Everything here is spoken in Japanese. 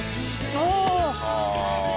ああ。